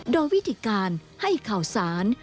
โดยวิธีการให้ข่าวสาร